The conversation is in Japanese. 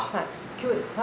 今日ですか？